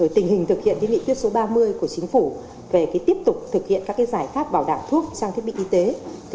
tình hình thực hiện đề nghị tuyết số ba mươi của chính phủ về tiếp tục thực hiện các giải pháp vào đảng thuốc trang thiết bị y tế